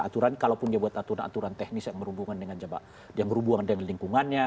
aturan kalaupun dia buat aturan aturan teknis yang merubungkan dengan lingkungannya